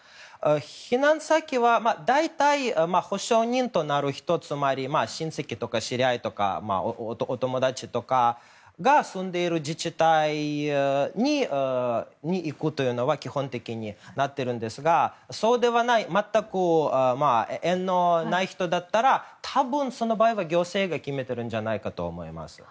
避難先は大体、保証人となる人つまり親戚とか知り合いとか友達とかが住んでいる自治体に行くというのが基本的になっているんですがそうではない全く縁のない人だったら多分、その場合は行政が決めてるんじゃないかと思います。